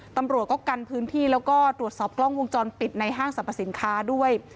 ตำรวจก็กันพื้นที่แล้วก็ตรวจสอบกล้องวงจรปิดในห้างสรรพสินค้าด้วย